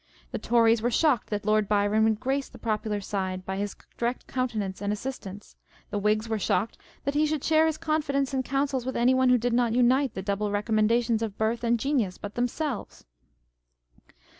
The Tories were shocked that Lord Byron should grace the popular side by his direct countenance and assistance â€" the Whigs were shocked that he should share his confidence and counsels with any one who did not unite the double recommendations of birth and genius â€" but themselves